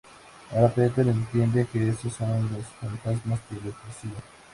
Ahora Peter entiende que esos son los fantasmas que le persiguen.